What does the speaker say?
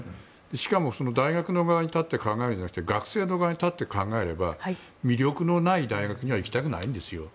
しかも、大学の場合に立って考えるんじゃなくて学生の側に立って考えれば魅力のない大学には行きたくないんですよ。